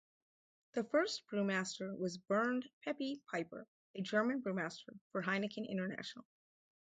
The first brewmaster was Bernd "Peppy" Pieper, a German brewmaster for Heineken International.